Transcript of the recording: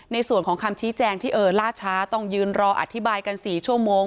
ในส่วนของคำชี้แจงที่เออล่าช้าต้องยืนรออธิบายกัน๔ชั่วโมง